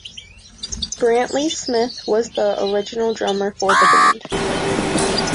Brantley Smith was the original drummer for the band.